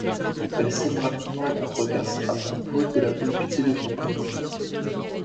Elle sème rapidement la controverse, à propos de la volupté de son corps.